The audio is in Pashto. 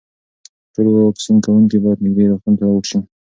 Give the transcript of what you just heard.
ټول واکسین کوونکي باید نږدې روغتون ته لاړ شي.